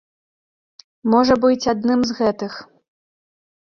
Можа быць, адным з гэтых.